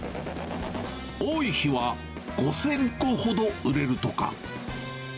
多い日は５０００個ほど売れるとか。